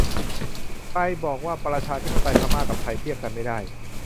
ใครบอกว่าประชาธิปไตยพม่ากับไทยเทียบกันไม่ได้ !